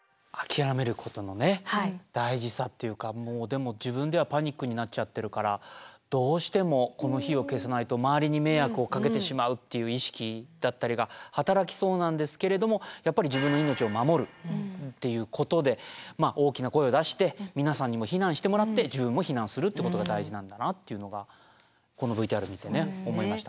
もうでも自分ではパニックになっちゃってるからどうしてもこの火を消さないと周りに迷惑をかけてしまうっていう意識だったりが働きそうなんですけれどもやっぱり自分の命を守るっていうことで大きな声を出して皆さんにも避難してもらって自分も避難するっていうことが大事なんだなっていうのがこのＶＴＲ見てね思いました。